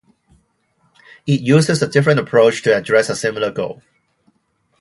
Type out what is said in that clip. It uses a different approach to address a similar goal.